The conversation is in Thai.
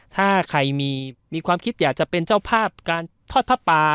ถ้าใครมีความคิดอยากจะเป็นเจ้าภาพการทอดผ้าป่า